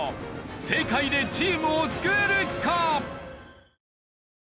正解でチームを救えるか！？